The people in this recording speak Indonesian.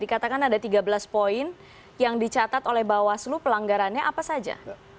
dikatakan ada tiga belas poin yang dicatat oleh bawaslu pelanggarannya apa saja